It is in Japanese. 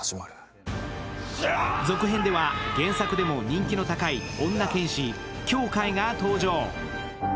続編では、原作でも人気の高い女剣士・羌カイが登場。